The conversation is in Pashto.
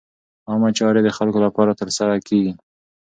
عامه چارې د خلکو لپاره ترسره کېږي.